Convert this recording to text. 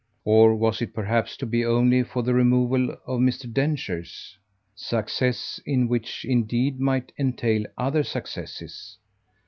Or was it perhaps to be only for the removal of Mr. Densher's? success in which indeed might entail other successes.